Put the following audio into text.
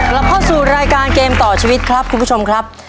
เราเข้าสู่รายการเกมต่อชีวิตครับคุณผู้ชมครับ